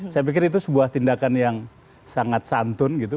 saya pikir itu sebuah tindakan yang sangat santun gitu